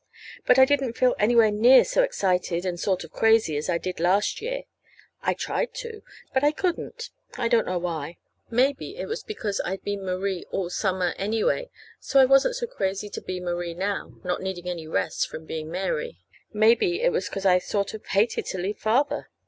But I didn't feel anywhere near so excited, and sort of crazy, as I did last year. I tried to, but I couldn't. I don't know why. Maybe it was because I'd been Marie all summer, anyway, so I wasn't so crazy to be Marie now, not needing any rest from being Mary. Maybe it was 'cause I sort of hated to leave Father.